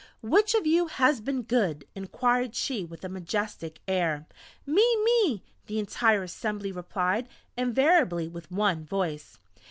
"Which of you has been good?" inquired she with a majestic air. "Me ... Me ..." the entire assembly replied invariably with one voice!